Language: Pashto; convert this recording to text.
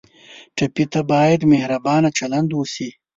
ټپي ته باید مهربانه چلند وشي.